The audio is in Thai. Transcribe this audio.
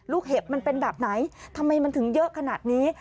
เห็บมันเป็นแบบไหนทำไมมันถึงเยอะขนาดนี้